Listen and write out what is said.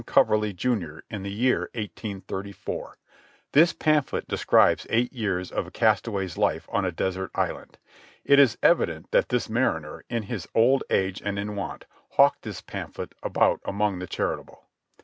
Coverly, Jr., in the year 1834. This pamphlet describes eight years of a castaway's life on a desert island. It is evident that this mariner, in his old age and in want, hawked this pamphlet about among the charitable.